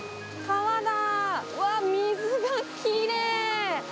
川だ、わー、水がきれい。